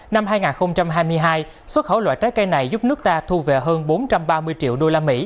năm hai nghìn hai mươi hai xuất khẩu loại trái cây này giúp nước ta thu về hơn bốn trăm ba mươi triệu usd